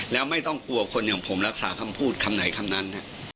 แล้วไม่ต้องกลัวคนอย่างผมรักษาคำพูดคำไหนคำนั้น